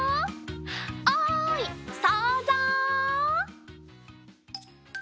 おいそうぞう！